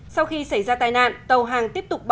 sau khi xảy ra tai nạn